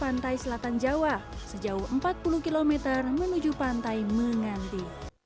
pantai selatan jawa sejauh empat puluh km menuju pantai menganti